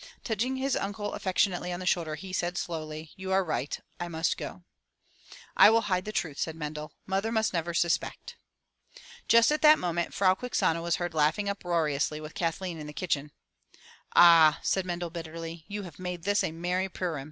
Touching his uncle affectionately on the shoulder, he said slowly, "You are right, I must go/* "I will hide the truth, said Mendel. Mother must never suspect. Just at that moment Frau Quixano was heard laughing up roariously with Kathleen in the kitchen. "Ah!'* said Mendel bitterly, "you have made this a merry Purim.